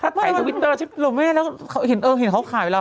ถ้าถ่ายทวิตเตอร์หรือไม่แล้วเห็นเขาขายแล้ว